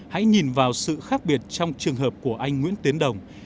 hãy nhìn vào sự khác biệt trong trường hợp của anh nguyễn tiến đồng